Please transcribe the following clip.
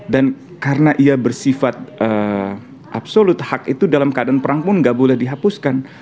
dan karena ia bersifat absolut hak itu dalam keadaan perang pun gak boleh dihapuskan